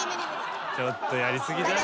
ちょっとやり過ぎだって。